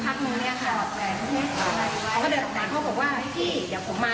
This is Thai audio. ทุกอย่างมีเงินอยู่ประมาณ๑๓แล้วก็กุญแจรถปัจจุเนอร์